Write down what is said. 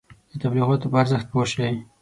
د تبلیغاتو په ارزښت پوه شئ.